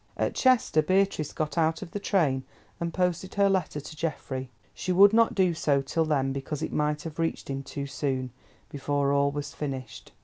At Chester Beatrice got out of the train and posted her letter to Geoffrey. She would not do so till then because it might have reached him too soon—before all was finished!